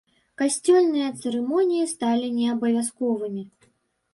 Касцёльныя цырымоніі сталі не абавязковымі.